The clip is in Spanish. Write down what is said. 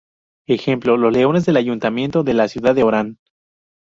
Ejemplo: los leones del ayuntamiento de la ciudad de Orán.